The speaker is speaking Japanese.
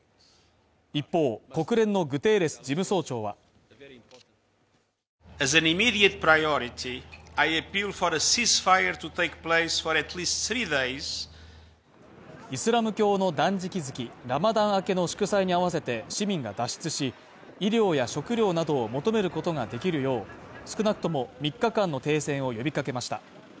一方、国連のグテーレス事務総長はイスラム教の断食月ラマダン明けの祝祭に合わせて市民が脱出し、医療や食料などを求めることができるよう、少なくとも３日間の停戦を呼びかけました。